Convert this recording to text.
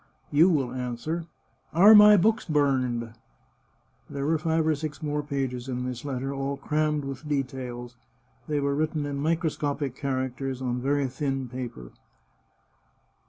*" You will answer :" 'Are my books burned f '" There were five or six more pages in this letter, all crammed with details. They were written in microscopic characters, on very thin paper.